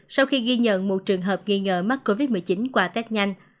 sau khi ghi nhận một trường hợp nghi ngờ mắc covid một mươi chín qua test nhanh